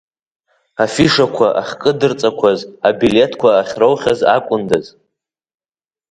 Афишақәа ахькыдырҵақәаз, абилеҭқәа ахьроухьаз акәындаз.